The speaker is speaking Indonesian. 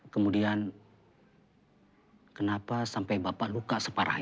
kemudian kenapa sampai bapak luka separah ini